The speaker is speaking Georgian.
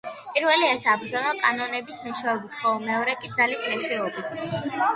პირველი ესაა ბრძოლა კანონების მეშვეობით, ხოლო მეორე კი ძალის მეშვეობით.